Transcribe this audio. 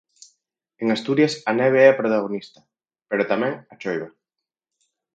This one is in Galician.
En Asturias a neve é a protagonista, pero tamén a choiva.